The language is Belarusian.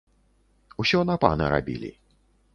Усё на пана рабілі.